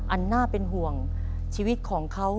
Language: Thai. อันน่าเป็นห่วงชีวิตของเขา